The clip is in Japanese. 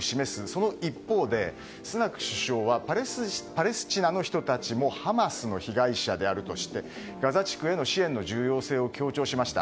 その一方で、スナク首相はパレスチナの人たちもハマスの被害者であるとしてガザ地区への支援の重要性を強調しました。